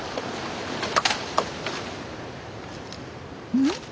うん？